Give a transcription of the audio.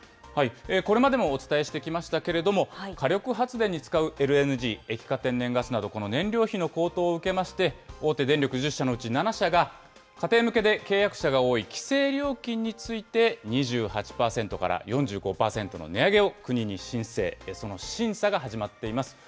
これまでもお伝えしてきましたけれども、火力発電に使うＬＮＧ・液化天然ガスなど、この燃料費の高騰を受けまして、大手電力１０社のうち７社が家庭向けで契約者が多い規制料金について、２８％から４５％の値上げを国に申請、その審査が始まっています。